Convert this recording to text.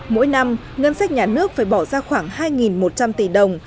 mỗi năm ngân sách nhà nước phải bỏ ra khoảng hai một trăm linh tỷ đồng